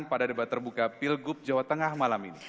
pada debat terbuka pilgub jawa tengah malam ini